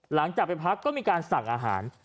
หลังจากไปพักก็มีการสั่งอาหาร